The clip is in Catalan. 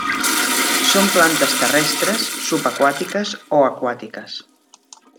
Són plantes terrestres, subaquàtiques o aquàtiques.